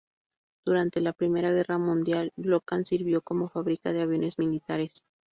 Durante la Primera Guerra Mundial, Brooklands sirvió como fábrica de aviones militares.